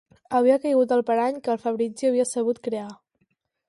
Havia caigut al parany que el Fabrizio havia sabut crear.